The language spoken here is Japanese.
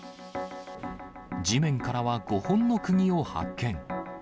地面からは５本のくぎを発見。